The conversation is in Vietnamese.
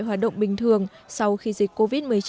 hoạt động bình thường sau khi dịch covid một mươi chín